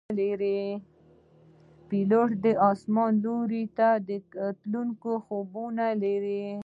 پیلوټ د آسمان لور ته تلونکي خوبونه لري.